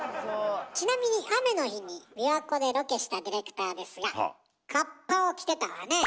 ちなみに雨の日に琵琶湖でロケしたディレクターですがカッパを着てたわね。